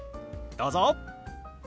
どうぞ！